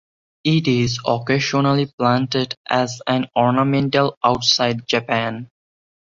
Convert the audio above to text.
It is occasionally planted as an ornamental outside Japan.